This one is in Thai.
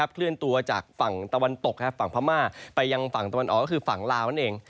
เคลื่อนตัวจากฝั่งตะวันตกฝั่งพม่าไปยังฝั่งตะวันออกก็คือฝั่งลาวนั่นเอง